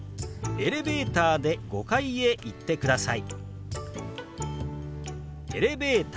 「エレベーターで５階へ行ってください」。